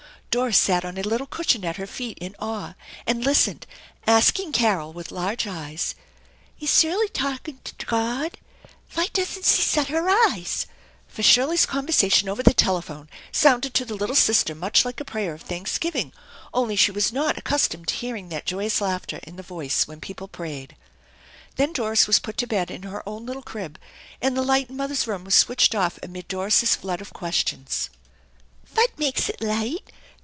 Doris sat on a little cushion at her feet in awe, and listened, asking Carol with large eyes: a ls Sirley tautin to Dod ? Vy doesn't see sut her yeyes ?" for Shirley's conversation over the telephone sounded to the little sister much like a prayer of thanksgiving; only she was not accus tomed to hearing that joyous laughter in the voice when people prayed. Then Doris was put to bed in her own little crib, and the light in mother's room was switched off amid Doris's flood of questions. "Vat makes it light?